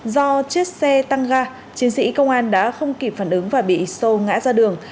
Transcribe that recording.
do chiếc xe tăng ga chiến sĩ công an đã không kịp phản ứng và bị sâu ngã ra đường